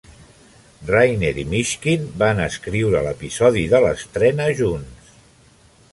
Reiner i Mishkin van escriure l'episodi de l'estrena junts.